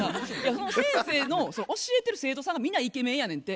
その先生の教えてる生徒さんが皆イケメンやねんて。